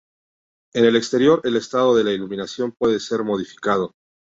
En el exterior, el estado de la iluminación puede ser modificado.